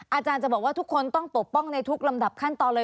อาจารย์จะบอกว่าทุกคนต้องปกป้องในทุกลำดับขั้นตอนเลย